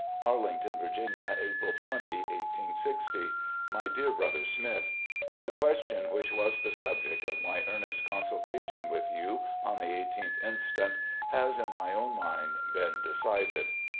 "Arlington, Virginia, April 20, i860. "My Dear Brother Smith: The question which was the subject of my earnest consultation with you on the i8th inst. has in my own mind been decided.